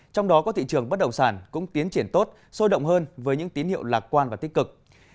trong đó có thị trường bất động sản cũng tiến triển tốt sôi động hơn với những tín hiệu lạc quan và tích cực